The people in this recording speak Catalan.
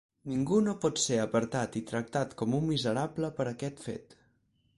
Ningú no pot ser apartat i tractat com un miserable per aquest fet.